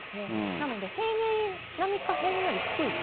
なので平年並みか、平年より低い気温。